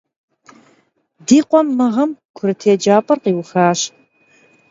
Di khuem mığem kurıt yêcap'er khiuxaş.